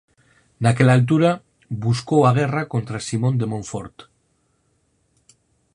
Naquela altura buscou a guerra contra Simón de Montfort.